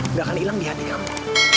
nggak akan hilang di hati kamu